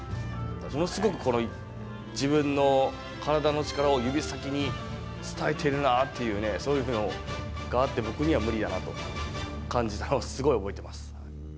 ものすごくこの自分の体の力を指先に伝えているなっていうね、そういうふうな、僕には無理だなと感じたのをすごい覚えてます。